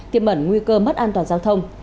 tiêm ẩn nguy cơ mất an toàn giao thông